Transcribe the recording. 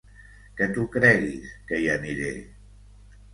Que t'ho creguis, que hi aniré!